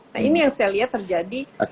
nah ini yang saya lihat terjadi